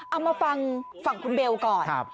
เอามาฟังฝั่งคุณเบลก่อน